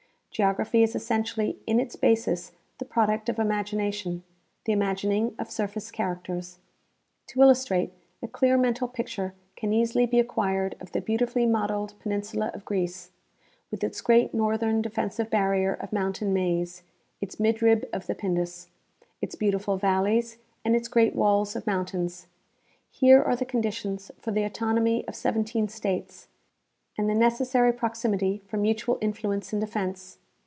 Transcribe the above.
Geograph}'' is essentially in its basis the pro duct of imagination, the imagining of surface characters. To illustrate, a clear mental picture can easily be acquired of the beautifully modeled peninsula of Greece, with its great northern defensive barrier of mountain maze, iis midrib of the Pindus, its beautiful valleys, and its great walls of mountains. Here are the conditions for the autonomy of seventeen states, and the necessary proximity for mutual influence and defense.